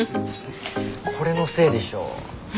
これのせいでしょ。